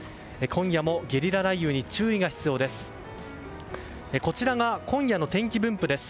今夜もゲリラ雷雨に注意が必要です。